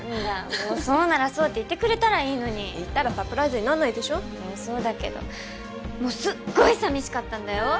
もうそうならそうって言ってくれたらいいのに言ったらサプライズになんないでしょそうだけどもうすっごい寂しかったんだよ